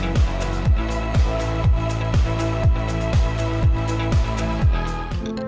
รู้สึกยังไงหรอคะ